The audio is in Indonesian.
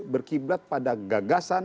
berkiblat pada gagasan